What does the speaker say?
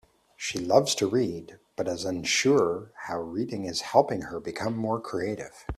She loves to read, but is unsure how reading is helping her become more creative.